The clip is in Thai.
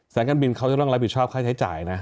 การบินเขาจะต้องรับผิดชอบค่าใช้จ่ายนะ